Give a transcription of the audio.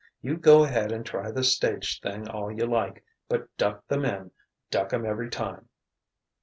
You go ahead and try this stage thing all you like but duck the men, duck 'em every time!"